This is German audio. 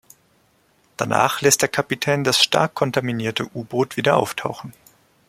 Danach lässt der Kapitän das stark kontaminierte U-Boot wieder auftauchen.